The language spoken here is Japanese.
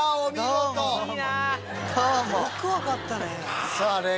よく分かったね。